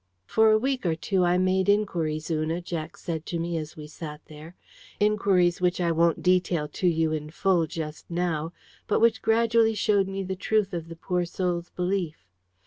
"For a week or two I made inquiries, Una," Jack said to me as we sat there, "inquiries which I won't detail to you in full just now, but which gradually showed me the truth of the poor soul's belief.